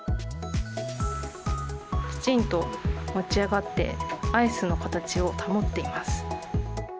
きちんと持ち上がって、アイスの形を保っています。